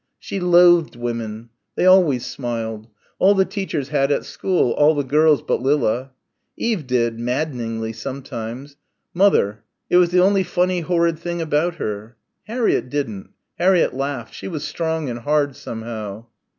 She loathed women. They always smiled. All the teachers had at school, all the girls, but Lilla. Eve did ... maddeningly sometimes ... Mother ... it was the only funny horrid thing about her. Harriett didn't.... Harriett laughed. She was strong and hard somehow....